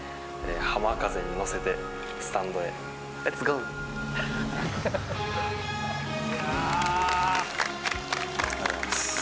浜風に乗せて、スタンドへ、ありがとうございます。